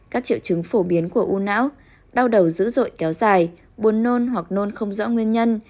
các triệu chứng phổ biến của u não đau đầu dữ dội kéo dài buồn nôn hoặc nôn không rõ nguyên nhân